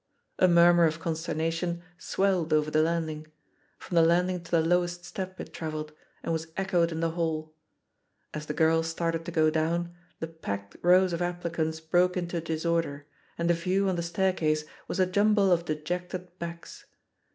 A murmur of consternation swelled over the 80 THE POSITION OF PEGGY HARPER landing; from the landing to the lowest step it travelled, and was echoed in the hall. As the girl started to go down, the packed rows of applicants broke into disorder, and the view on the staircase was a jumble of dejected backs.